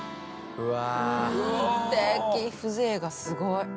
うわ。